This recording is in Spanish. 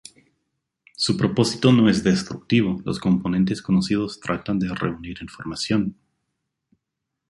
Su propósito no es destructivo, los componentes conocidos tratan de reunir información.